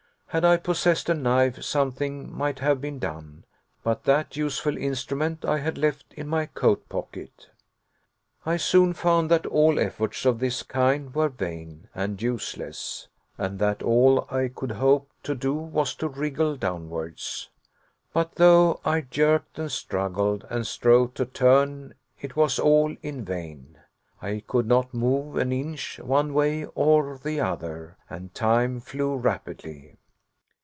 Had I possessed a knife, something might have been done, but that useful instrument I had left in my coat pocket. I soon found that all efforts of this kind were vain and useless, and that all I could hope to do was to wriggle downwards. But though I jerked and struggled, and strove to turn, it was all in vain. I could not move an inch, one way or the other. And time flew rapidly.